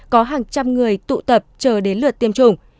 có hàng trăm người tụ tập chờ đến lượt tiêm chủng